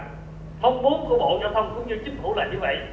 mong mốt của bộ giao thông cũng như chính phủ lại